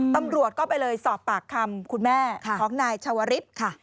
ตำรวจก็ไปเลยสอบปากคำคุณแม่ของนายชาวริสค่ะ